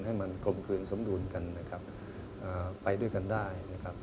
ให้มันกรมคืนสมดุลกันไปด้วยกันได้